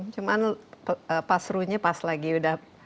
cuman pas serunya pas lagi udah